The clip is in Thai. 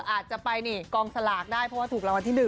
อาจจะไปกองสลากได้เพราะถูกรางวัลที่หนึ่ง